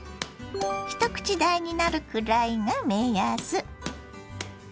一口大になるくらいが目安。